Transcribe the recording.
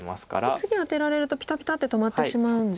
これ次アテられるとピタピタッて止まってしまうんですか。